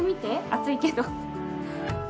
暑いけど。